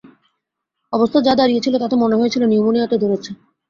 অবস্থা যা দাঁড়িয়েছিল, তাতে মনে হয়েছিল নিউমোনিয়াতে ধরেছে।